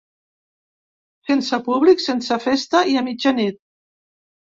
Sense públic, sense festa i a mitjanit.